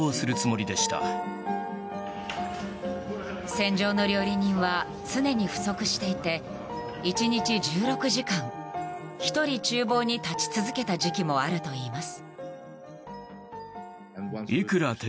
戦場の料理人は常に不足していて１日１６時間１人、厨房に立ち続けた時期もあるといいます。